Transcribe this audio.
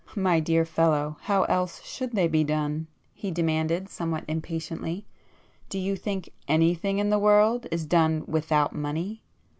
"My dear fellow, how else should they be done?" he demanded somewhat impatiently—"Do you think anything in the world is done without money?